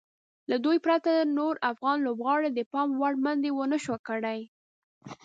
له دوی پرته نورو افغان لوبغاړو د پام وړ منډې ونشوای کړای.